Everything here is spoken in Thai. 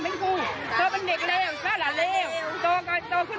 แต่ก็ยกถึงประตู๖ตอนเนียน